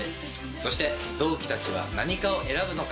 そして同期たちは何科を選ぶのか。